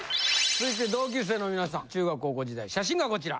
続いて同級生の皆さん中学・高校時代写真がこちら！